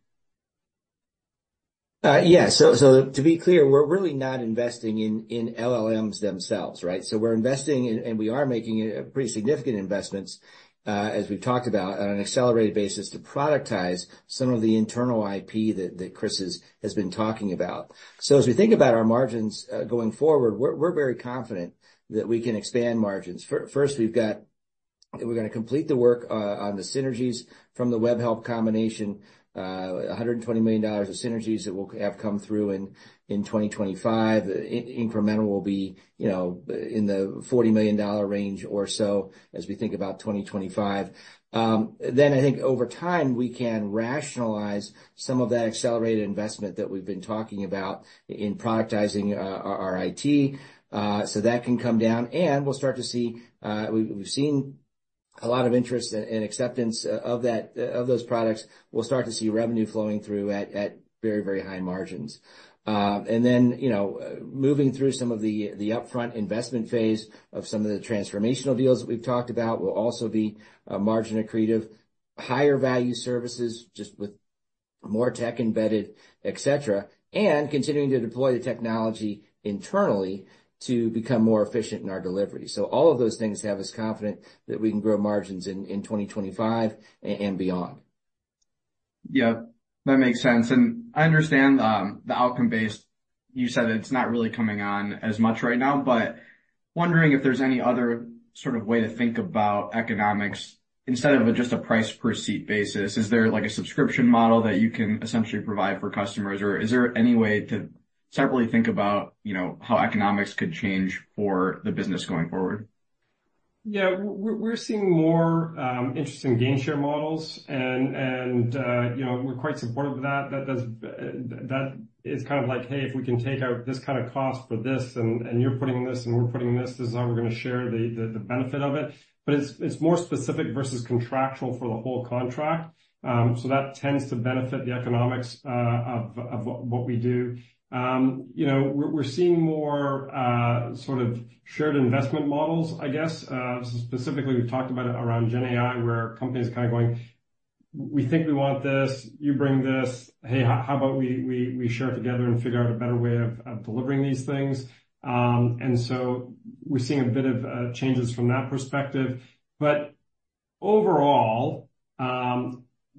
Yeah. So to be clear, we're really not investing in LLMs themselves, right? So we're investing, and we are making pretty significant investments, as we've talked about, on an accelerated basis to productize some of the internal IP that Chris has been talking about. So as we think about our margins going forward, we're very confident that we can expand margins. First, we're going to complete the work on the synergies from the Webhelp combination, $120 million of synergies that will have come through in 2025. Incremental will be in the $40 million range or so as we think about 2025. Then I think over time, we can rationalize some of that accelerated investment that we've been talking about in productizing our IT. So that can come down. And we'll start to see. We've seen a lot of interest and acceptance of those products. We'll start to see revenue flowing through at very, very high margins, and then moving through some of the upfront investment phase of some of the transformational deals that we've talked about will also be margin accretive, higher value services just with more tech embedded, etc., and continuing to deploy the technology internally to become more efficient in our delivery, so all of those things have us confident that we can grow margins in 2025 and beyond. Yeah. That makes sense. And I understand the outcome-based. You said it's not really coming on as much right now, but wondering if there's any other sort of way to think about economics instead of just a price per seat basis. Is there a subscription model that you can essentially provide for customers, or is there any way to separately think about how economics could change for the business going forward? Yeah. We're seeing more interesting gain share models, and we're quite supportive of that. That is kind of like, "Hey, if we can take out this kind of cost for this and you're putting this and we're putting this, this is how we're going to share the benefit of it." But it's more specific versus contractual for the whole contract. So that tends to benefit the economics of what we do. We're seeing more sort of shared investment models, I guess. Specifically, we've talked about it around Gen AI where companies are kind of going, "We think we want this. You bring this. Hey, how about we share it together and figure out a better way of delivering these things?" And so we're seeing a bit of changes from that perspective. But overall,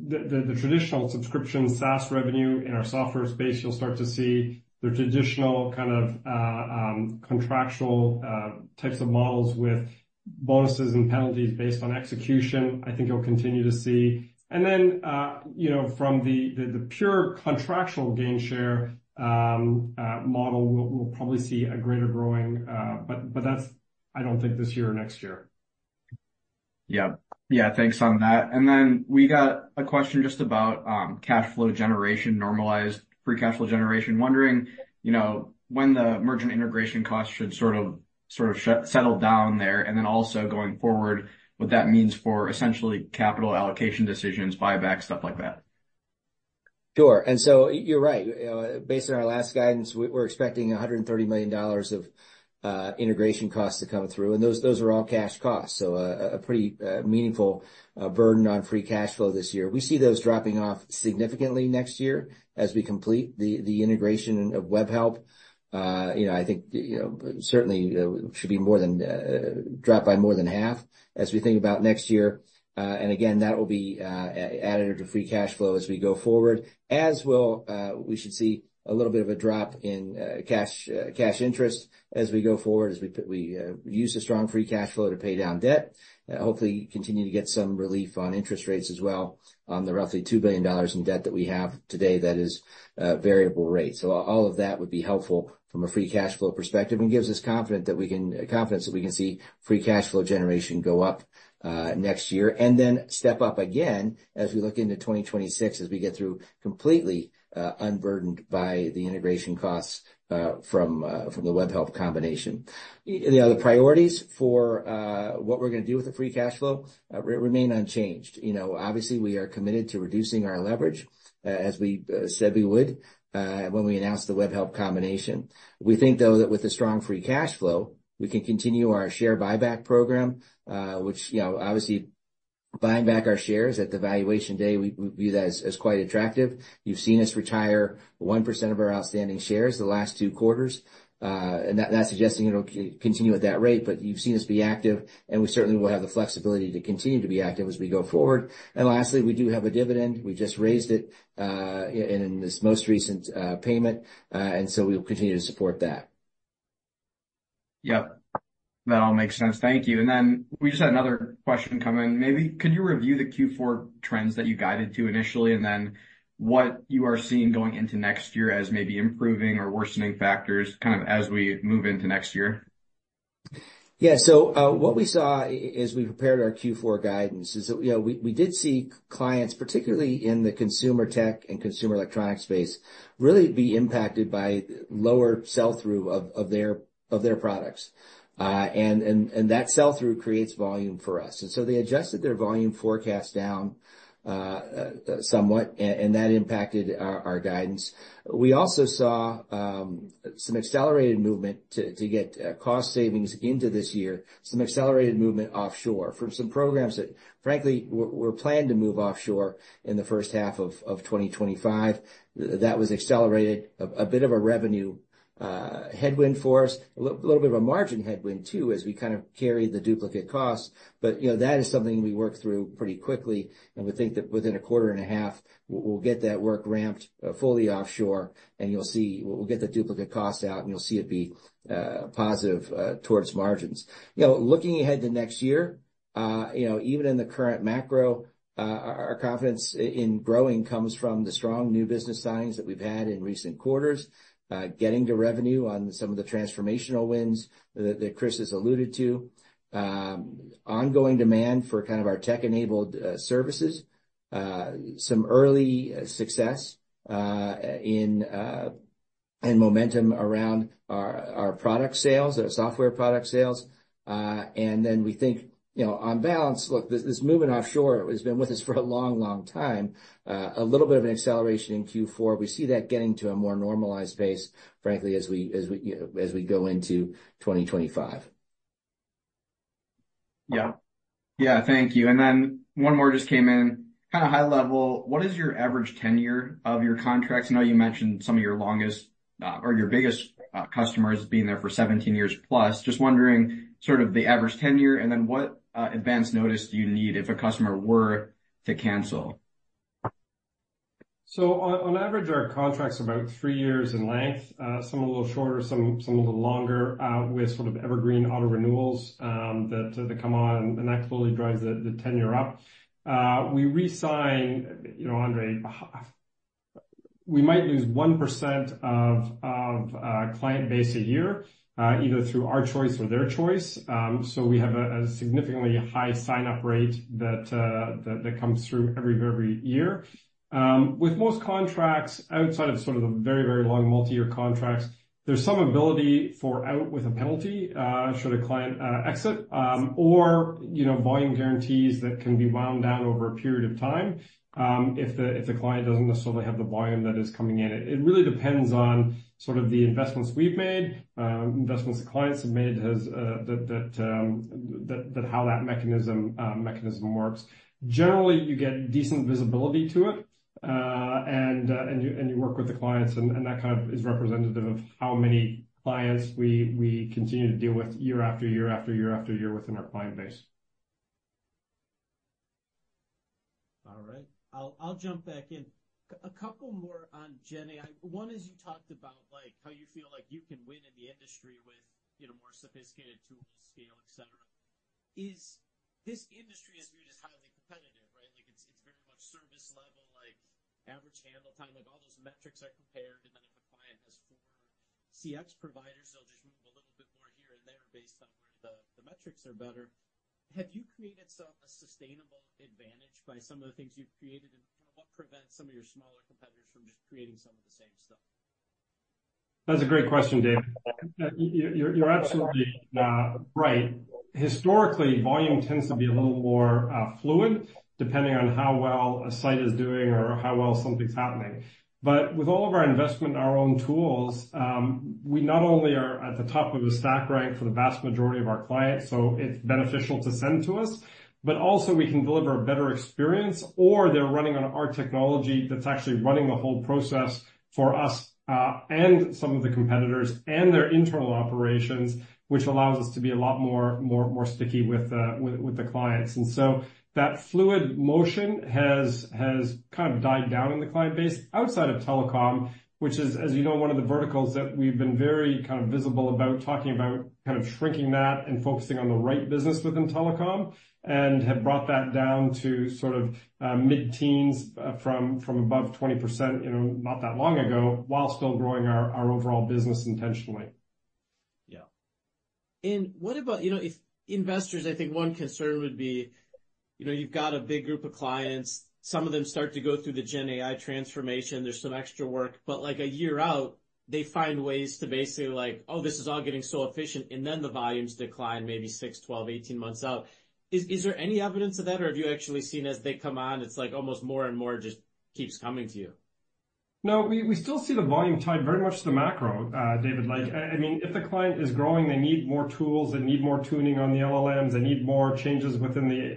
the traditional subscription SaaS revenue in our software space, you'll start to see the traditional kind of contractual types of models with bonuses and penalties based on execution. I think you'll continue to see. And then from the pure contractual gain share model, we'll probably see a greater growing, but that's, I don't think, this year or next year. Yeah. Yeah. Thanks on that. And then we got a question just about cash flow generation, normalized free cash flow generation. Wondering when the merchant integration costs should sort of settle down there and then also going forward, what that means for essentially capital allocation decisions, buyback, stuff like that. Sure. And so you're right. Based on our last guidance, we're expecting $130 million of integration costs to come through. And those are all cash costs. So a pretty meaningful burden on free cash flow this year. We see those dropping off significantly next year as we complete the integration of WebHelp. I think certainly it should be more than drop by more than half as we think about next year. And again, that will be added to free cash flow as we go forward, as well as we should see a little bit of a drop in cash interest as we go forward as we use a strong free cash flow to pay down debt. Hopefully, continue to get some relief on interest rates as well on the roughly $2 billion in debt that we have today that is variable rate. All of that would be helpful from a free cash flow perspective and gives us confidence that we can see free cash flow generation go up next year and then step up again as we look into 2026 as we get through completely unburdened by the integration costs from the WebHelp combination. The other priorities for what we're going to do with the free cash flow remain unchanged. Obviously, we are committed to reducing our leverage as we said we would when we announced the WebHelp combination. We think, though, that with a strong free cash flow, we can continue our share buyback program, which obviously buying back our shares at the valuation today, we view that as quite attractive. You've seen us retire 1% of our outstanding shares the last two quarters. And that's suggesting it'll continue at that rate, but you've seen us be active, and we certainly will have the flexibility to continue to be active as we go forward. And lastly, we do have a dividend. We just raised it in this most recent payment, and so we will continue to support that. Yeah. That all makes sense. Thank you. And then we just had another question come in. Maybe could you review the Q4 trends that you guided to initially and then what you are seeing going into next year as maybe improving or worsening factors kind of as we move into next year? Yeah. So what we saw as we prepared our Q4 guidance is that we did see clients, particularly in the consumer tech and consumer electronics space, really be impacted by lower sell-through of their products. And that sell-through creates volume for us. And so they adjusted their volume forecast down somewhat, and that impacted our guidance. We also saw some accelerated movement to get cost savings into this year, some accelerated movement offshore from some programs that, frankly, were planned to move offshore in the first half of 2025. That was accelerated a bit of a revenue headwind for us, a little bit of a margin headwind too as we kind of carried the duplicate costs. But that is something we worked through pretty quickly. And we think that within a quarter and a half, we'll get that work ramped fully offshore, and you'll see we'll get the duplicate costs out, and you'll see it be positive towards margins. Looking ahead to next year, even in the current macro, our confidence in growing comes from the strong new business signs that we've had in recent quarters, getting to revenue on some of the transformational wins that Chris has alluded to, ongoing demand for kind of our tech-enabled services, some early success in momentum around our product sales, our software product sales. And then we think on balance, look, this movement offshore has been with us for a long, long time, a little bit of an acceleration in Q4. We see that getting to a more normalized pace, frankly, as we go into 2025. Yeah. Yeah. Thank you. And then one more just came in kind of high level. What is your average tenure of your contracts? I know you mentioned some of your longest or your biggest customers being there for 17 years plus. Just wondering sort of the average tenure and then what advance notice do you need if a customer were to cancel? So on average, our contracts are about three years in length, some a little shorter, some a little longer with sort of evergreen auto renewals that come on, and that clearly drives the tenure up. We re-sign, Andre, we might lose 1% of client base a year either through our choice or their choice. So we have a significantly high re-sign rate that comes through every year. With most contracts outside of sort of the very, very long multi-year contracts, there's some ability to get out with a penalty should a client exit or volume guarantees that can be wound down over a period of time if the client doesn't necessarily have the volume that is coming in. It really depends on sort of the investments we've made, investments the clients have made [and] how that mechanism works. Generally, you get decent visibility to it, and you work with the clients, and that kind of is representative of how many clients we continue to deal with year after year after year after year within our client base. All right. I'll jump back in. A couple more on Gen AI. One is you talked about how you feel like you can win in the industry with more sophisticated tools, scale, etc. This industry is viewed as highly competitive, right? It's very much service level, like average handle time, like all those metrics are compared. And then if a client has four CX providers, they'll just move a little bit more here and there based on where the metrics are better. Have you created a sustainable advantage by some of the things you've created, and what prevents some of your smaller competitors from just creating some of the same stuff? That's a great question, David. You're absolutely right. Historically, volume tends to be a little more fluid depending on how well a site is doing or how well something's happening. But with all of our investment in our own tools, we not only are at the top of the stack rank for the vast majority of our clients, so it's beneficial to send to us, but also we can deliver a better experience, or they're running on our technology that's actually running the whole process for us and some of the competitors and their internal operations, which allows us to be a lot more sticky with the clients. And so that fluid motion has kind of died down in the client base outside of telecom, which is, as you know, one of the verticals that we've been very kind of visible about talking about kind of shrinking that and focusing on the right business within telecom and have brought that down to sort of mid-teens from above 20% not that long ago while still growing our overall business intentionally. Yeah. And what about if investors, I think one concern would be you've got a big group of clients. Some of them start to go through the Gen AI transformation. There's some extra work. But like a year out, they find ways to basically like, "Oh, this is all getting so efficient," and then the volumes decline maybe six, 12, 18 months out. Is there any evidence of that, or have you actually seen as they come on, it's like almost more and more just keeps coming to you? No, we still see the volume tied very much to the macro, David. I mean, if the client is growing, they need more tools. They need more tuning on the LLMs. They need more changes within the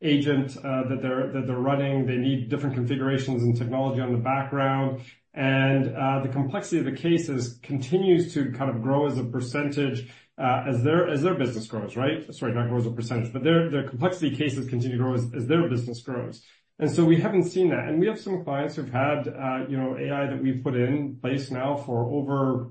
agent that they're running. They need different configurations and technology in the background. And the complexity of the cases continues to kind of grow as a percentage as their business grows, right? Sorry, not grows as a percentage, but their complex cases continue to grow as their business grows. And so we haven't seen that. And we have some clients who've had AI that we've put in place now for over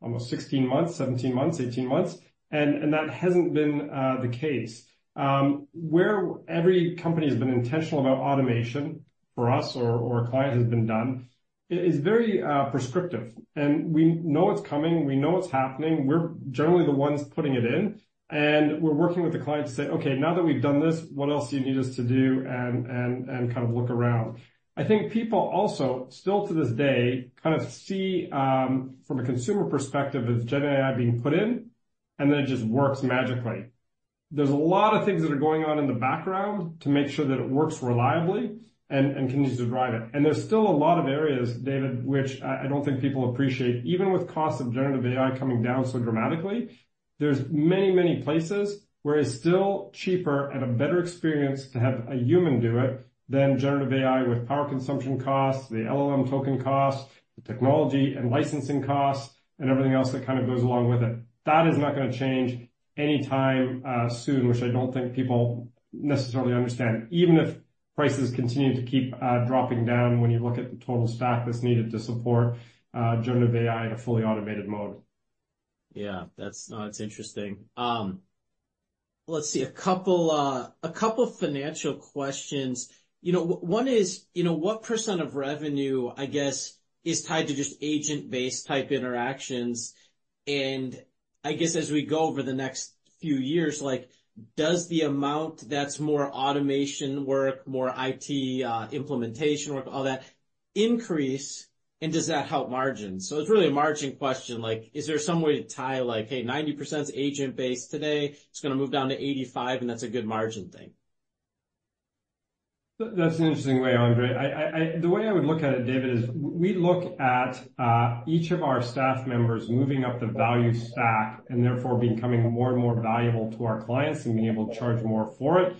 almost 16 months, 17 months, 18 months. And that hasn't been the case. Where every company has been intentional about automation for us or a client has been done is very prescriptive. And we know it's coming. We know it's happening. We're generally the ones putting it in. And we're working with the client to say, "Okay, now that we've done this, what else do you need us to do and kind of look around?" I think people also still to this day kind of see from a consumer perspective of Gen AI being put in, and then it just works magically. There's a lot of things that are going on in the background to make sure that it works reliably and continues to drive it. And there's still a lot of areas, David, which I don't think people appreciate. Even with costs of generative AI coming down so dramatically, there's many, many places where it's still cheaper and a better experience to have a human do it than generative AI with power consumption costs, the LLM token costs, the technology and licensing costs, and everything else that kind of goes along with it. That is not going to change anytime soon, which I don't think people necessarily understand, even if prices continue to keep dropping down when you look at the total stack that's needed to support generative AI in a fully automated mode. Yeah. That's interesting. Let's see. A couple financial questions. One is what % of revenue, I guess, is tied to just agent-based type interactions? And I guess as we go over the next few years, does the amount that's more automation work, more IT implementation work, all that increase, and does that help margins? So it's really a margin question. Is there some way to tie like, "Hey, 90% is agent-based today. It's going to move down to 85%, and that's a good margin thing"? That's an interesting way, Andre. The way I would look at it, David, is we look at each of our staff members moving up the value stack and therefore becoming more and more valuable to our clients and being able to charge more for it.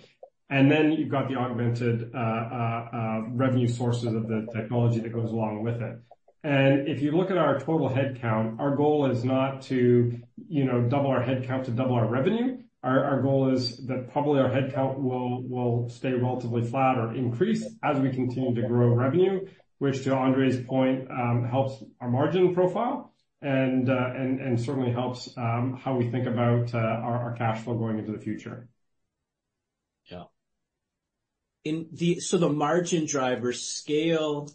And then you've got the augmented revenue sources of the technology that goes along with it. And if you look at our total headcount, our goal is not to double our headcount to double our revenue. Our goal is that probably our headcount will stay relatively flat or increase as we continue to grow revenue, which to Andre's point, helps our margin profile and certainly helps how we think about our cash flow going into the future. Yeah. So the margin drivers, scale,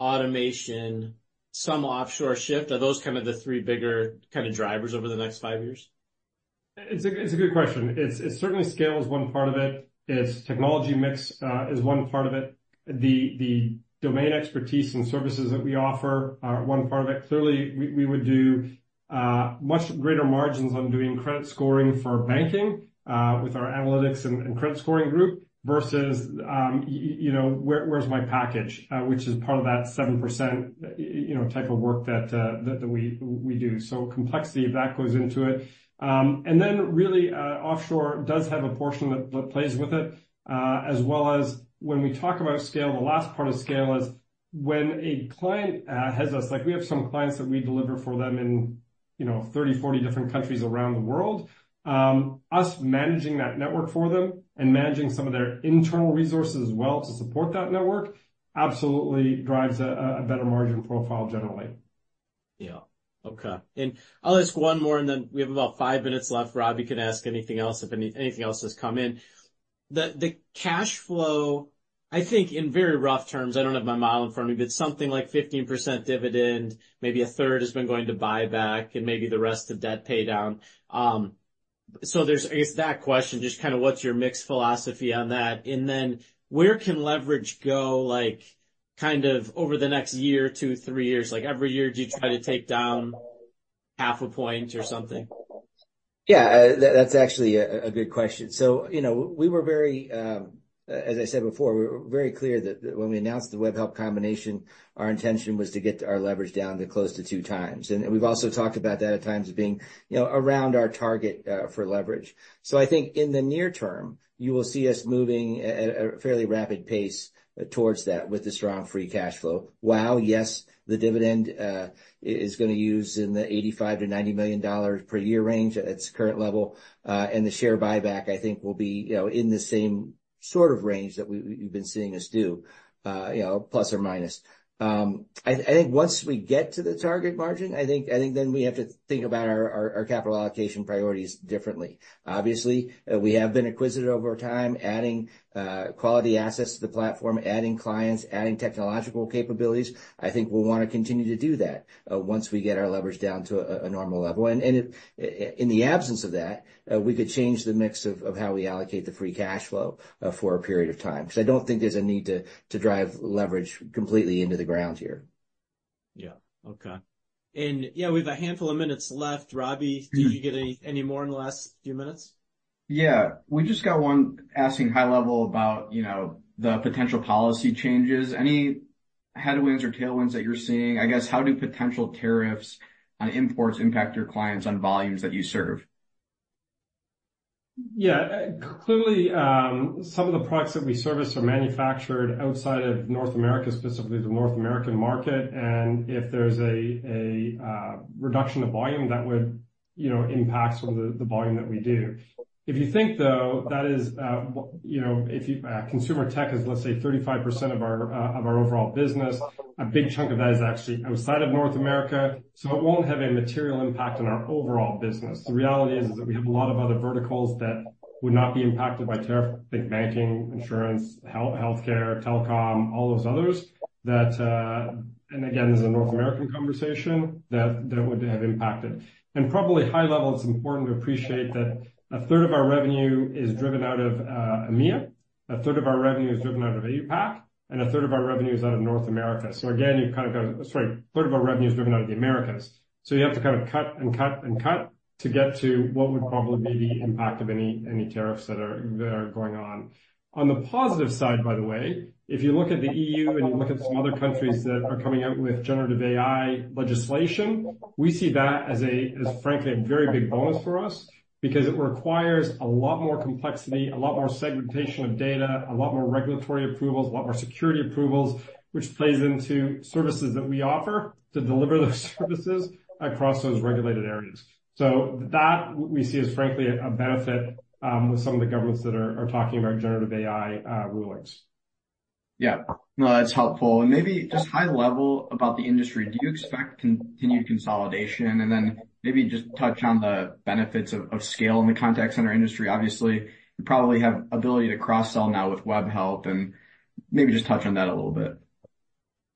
automation, some offshore shift, are those kind of the three bigger kind of drivers over the next five years? It's a good question. It's certainly scale is one part of it. It's technology mix is one part of it. The domain expertise and services that we offer are one part of it. Clearly, we would do much greater margins on doing credit scoring for banking with our analytics and credit scoring group versus where's my package, which is part of that 7% type of work that we do. So complexity of that goes into it. And then really offshore does have a portion that plays with it, as well as when we talk about scale. The last part of scale is when a client has us, like we have some clients that we deliver for them in 30-40 different countries around the world. Us managing that network for them and managing some of their internal resources as well to support that network absolutely drives a better margin profile generally. Yeah. Okay. And I'll ask one more, and then we have about five minutes left. Rob, you can ask anything else if anything else has come in. The cash flow, I think in very rough terms, I don't have my model in front of me, but something like 15% dividend, maybe a third has been going to buyback, and maybe the rest of debt pay down. So there's, I guess, that question, just kind of what's your mixed philosophy on that? And then where can leverage go kind of over the next year, two, three years? Every year, do you try to take down half a point or something? Yeah. That's actually a good question, so we were very, as I said before, we were very clear that when we announced the Webhelp combination, our intention was to get our leverage down to close to two times, and we've also talked about that at times being around our target for leverage. So I think in the near term, you will see us moving at a fairly rapid pace towards that with the strong free cash flow, while, yes, the dividend is going to run in the $85 million-$90 million per year range at its current level, and the share buyback, I think, will be in the same sort of range that we've been seeing us do, plus or minus. I think once we get to the target margin, I think then we have to think about our capital allocation priorities differently. Obviously, we have been acquired over time, adding quality assets to the platform, adding clients, adding technological capabilities. I think we'll want to continue to do that once we get our leverage down to a normal level, and in the absence of that, we could change the mix of how we allocate the free cash flow for a period of time, so I don't think there's a need to drive leverage completely into the ground here. Yeah. Okay. And yeah, we have a handful of minutes left. Robbie, did you get any more in the last few minutes? Yeah. We just got one asking high level about the potential policy changes. Any headwinds or tailwinds that you're seeing? I guess, how do potential tariffs on imports impact your clients on volumes that you serve? Yeah. Clearly, some of the products that we service are manufactured outside of North America, specifically the North American market. And if there's a reduction of volume, that would impact some of the volume that we do. If you think, though, that is if consumer tech is, let's say, 35% of our overall business, a big chunk of that is actually outside of North America. So it won't have a material impact on our overall business. The reality is that we have a lot of other verticals that would not be impacted by tariff, like banking, insurance, healthcare, telecom, all those others that, and again, this is a North American conversation that would have impacted, and probably high level, it's important to appreciate that a 1/3 of our revenue is driven out of EMEA. A 1/3 of our revenue is driven out of APAC, and a 1/3 of our revenue is out of North America. So again, you've kind of got a, sorry, a 1/3 of our revenue is driven out of the Americas. So you have to kind of cut and cut and cut to get to what would probably be the impact of any tariffs that are going on. On the positive side, by the way, if you look at the EU and you look at some other countries that are coming out with generative AI legislation, we see that as, frankly, a very big bonus for us because it requires a lot more complexity, a lot more segmentation of data, a lot more regulatory approvals, a lot more security approvals, which plays into services that we offer to deliver those services across those regulated areas. So that we see as, frankly, a benefit with some of the governments that are talking about generative AI rulings. Yeah. No, that's helpful. And maybe just high level about the industry. Do you expect continued consolidation? And then maybe just touch on the benefits of scale in the context in our industry. Obviously, you probably have the ability to cross-sell now with Webhelp and maybe just touch on that a little bit.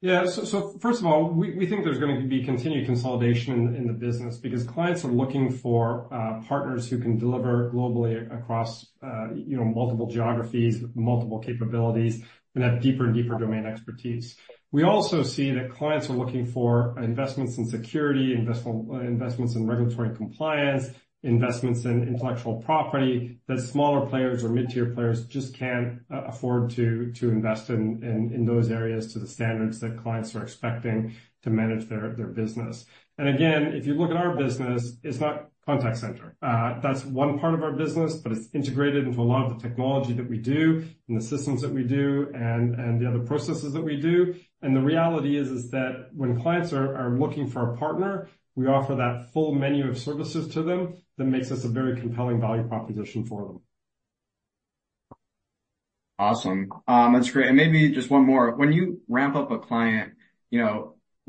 Yeah. So first of all, we think there's going to be continued consolidation in the business because clients are looking for partners who can deliver globally across multiple geographies, multiple capabilities, and have deeper and deeper domain expertise. We also see that clients are looking for investments in security, investments in regulatory compliance, investments in intellectual property that smaller players or mid-tier players just can't afford to invest in those areas to the standards that clients are expecting to manage their business. And again, if you look at our business, it's not contact center. That's one part of our business, but it's integrated into a lot of the technology that we do and the systems that we do and the other processes that we do. The reality is that when clients are looking for a partner, we offer that full menu of services to them that makes us a very compelling value proposition for them. Awesome. That's great. And maybe just one more. When you ramp up a client,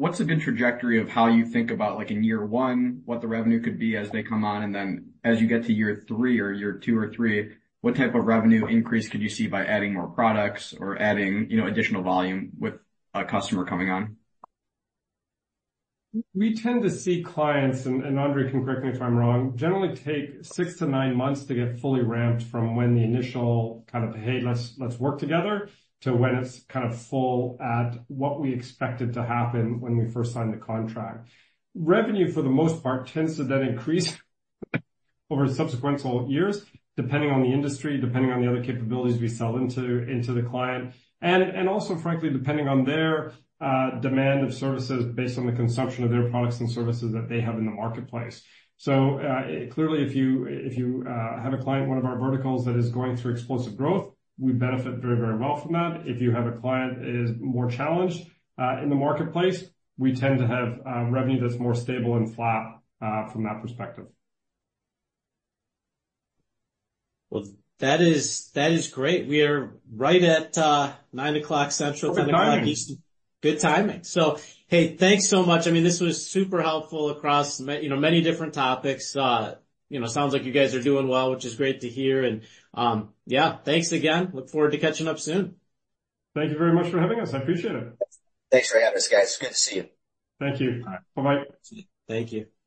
what's a good trajectory of how you think about in year one, what the revenue could be as they come on? And then as you get to year three or year two or three, what type of revenue increase could you see by adding more products or adding additional volume with a customer coming on? We tend to see clients, and Andre can correct me if I'm wrong, generally take six to nine months to get fully ramped from when the initial kind of, "Hey, let's work together," to when it's kind of full at what we expected to happen when we first signed the contract. Revenue, for the most part, tends to then increase over subsequent years, depending on the industry, depending on the other capabilities we sell into the client, and also, frankly, depending on their demand of services based on the consumption of their products and services that they have in the marketplace. So clearly, if you have a client, one of our verticals that is going through explosive growth, we benefit very, very well from that. If you have a client that is more challenged in the marketplace, we tend to have revenue that's more stable and flat from that perspective. That is great. We are right at 9:00 A.M. Central Time. Good timing. Good timing. So hey, thanks so much. I mean, this was super helpful across many different topics. Sounds like you guys are doing well, which is great to hear. And yeah, thanks again. Look forward to catching up soon. Thank you very much for having us. I appreciate it. Thanks for having us, guys. Good to see you. Thank you. Bye-bye. Thank you.